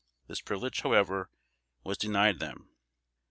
This privilege, however, was denied them.